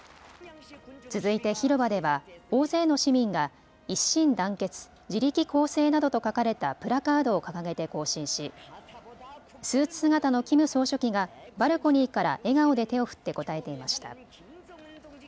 続いて広場では大勢の市民が一心団結、自力更生などと書かれたプラカードを掲げて行進しスーツ姿のキム総書記がバルコニーから笑顔で手を振って応えていました。